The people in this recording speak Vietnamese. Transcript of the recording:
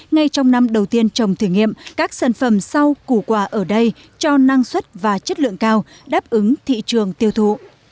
ngay trong năm đầu tiên trồng thử nghiệm các sản phẩm rau củ quả ở đây cho năng suất và chất lượng cao đáp ứng thị trường tiêu thụ